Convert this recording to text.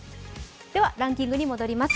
ランキングに戻ります。